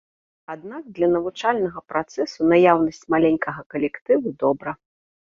Аднак для навучальнага працэсу наяўнасць маленькага калектыву добра.